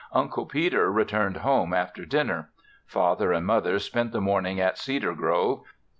Uncle Peter returned home after dinner. Father and Mother spent the morning at Cedar Grove.